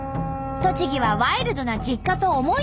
栃木はワイルドな実家と思い出の高台。